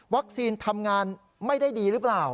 ทำงานไม่ได้ดีหรือเปล่า